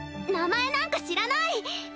名前なんか知らない！